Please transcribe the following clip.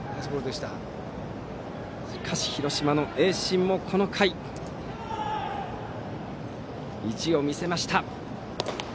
しかし広島・盈進もこの回意地を見せました。